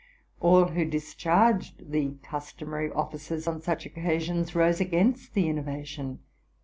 All who discharged the customary offices on such occasions rose against the innovation.